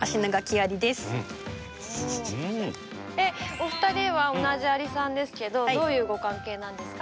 お二人は同じアリさんですけどどういうご関係なんですか？